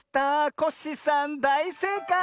コッシーさんだいせいかい！